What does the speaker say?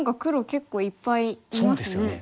結構いっぱいいますね。